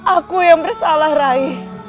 aku yang bersalah rahim